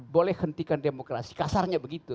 boleh hentikan demokrasi kasarnya begitu